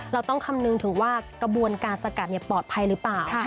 เราต้องคำนึงถึงว่ากระบวนการสกัดปลอดภัยหรือเปล่า